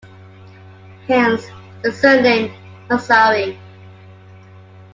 Hence, the surname, "Mazari".